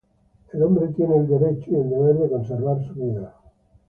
El hombre tiene el derecho y el deber de conservar su vida.